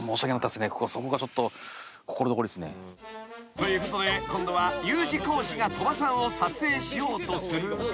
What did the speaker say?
［ということで今度はＵ字工事が鳥羽さんを撮影しようとするが］